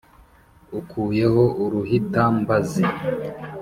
Ukuyeho Uruhitambazi,